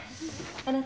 あなた。